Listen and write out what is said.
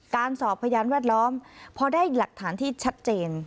สอบพยานแวดล้อมพอได้หลักฐานที่ชัดเจน